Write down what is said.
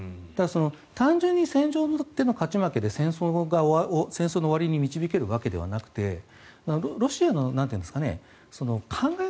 単純に戦場での勝ち負けで戦争の終わりに導けるわけではなくてロシアの考え方。